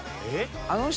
あの人！